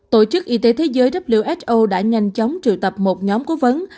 tổ chức y tế thế giới who đã nhanh chóng triệu tập một nhóm cố vấn